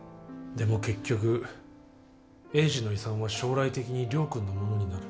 でも結局栄治の遺産は将来的に亮君のものになる。